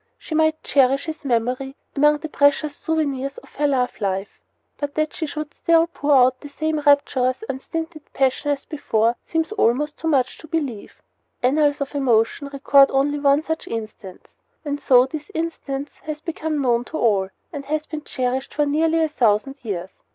She might cherish his memory among the precious souvenirs of her love life; but that she should still pour out the same rapturous, unstinted passion as before seems almost too much to believe. The annals of emotion record only one such instance; and so this instance has become known to all, and has been cherished for nearly a thousand years.